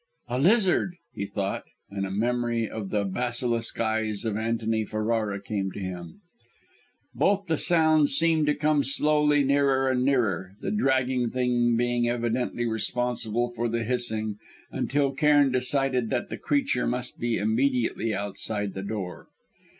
"A lizard!" he thought; and a memory of the basilisk eyes of Antony Ferrara came to him. Both the sounds seemed to come slowly nearer and nearer the dragging thing being evidently responsible for the hissing; until Cairn decided that the creature must be immediately outside the door.